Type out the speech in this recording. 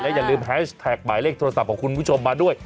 อย่าลืมแฮชแท็กหมายเลขโทรศัพท์ของคุณผู้ชมมาด้วย